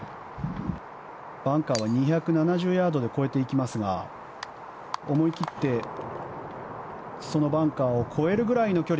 バンカーは２７０ヤードで越えていきますが思い切ってそのバンカーを越えるくらいの距離。